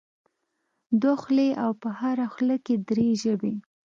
دوه خولې او په هره خوله کې درې ژبې.